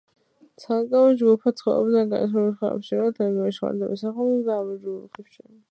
ცალკეულ ჯგუფებად ცხოვრობენ კრასნოიარსკის მხარის ჩრდილოეთ რაიონებში, მაგადანის, სახალინის და ამურის ოლქებში.